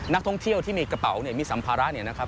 นักท่องเที่ยวที่มีกระเป๋าเนี่ยมีสัมภาระเนี่ยนะครับ